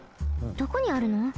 どこにあるの？